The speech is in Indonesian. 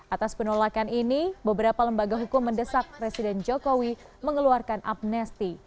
atas penolakan ini beberapa lembaga hukum mendesak presiden jokowi mengeluarkan amnesti